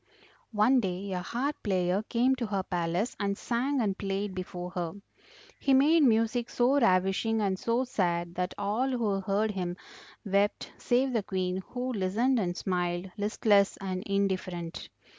"One day a harp player came to her palace and sang and played before her; he made music so ravishing and so sad that all who heard him wept save the Queen, who listened and smiled, listless and indifferent.